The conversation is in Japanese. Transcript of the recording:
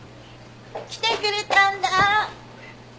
来てくれたんだ！